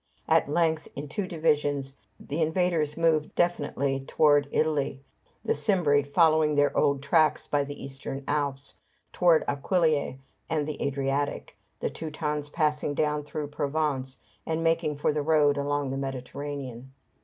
At length, in two divisions, the invaders moved definitely toward Italy, the Cimbri following their old tracks by the Eastern Alps toward Aquileia and the Adriatic, the Teutons passing down through Provence, and making for the road along the Mediterranean.